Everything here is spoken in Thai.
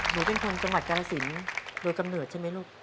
หนูเป็นคนจังหวัดกาลสินโดยกำเนิดใช่ไหมลูก